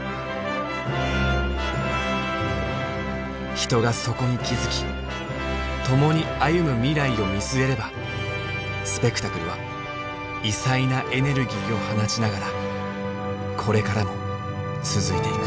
人がそこに気付き共に歩む未来を見据えればスペクタクルは異彩なエネルギーを放ちながらこれからも続いていく。